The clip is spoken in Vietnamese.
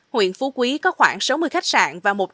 huyện phú quý có khoảng sáu mươi khách sạn và một trăm linh